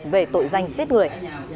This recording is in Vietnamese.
về tội danh giết người